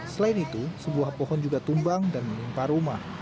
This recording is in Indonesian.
selain itu sebuah pohon juga tumbang dan menimpa rumah